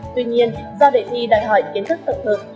tuy nhiên do đề thi đòi hỏi kiến thức tự thực